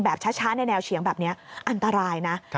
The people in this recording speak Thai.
ช้าในแนวเฉียงแบบนี้อันตรายนะ